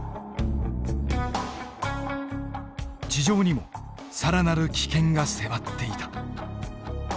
地上にも更なる危険が迫っていた。